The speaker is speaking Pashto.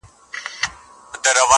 چي پنیر یې وو له خولې څخه وتلی؛